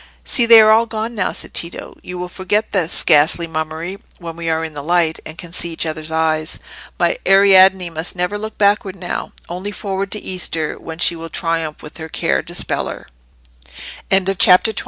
"See, they are all gone now!" said Tito. "You will forget this ghastly mummery when we are in the light, and can see each other's eyes. My Ariadne must never look backward now—only forward to Easter, when she will triumph with her Care dispeller." CHAPTER XXI.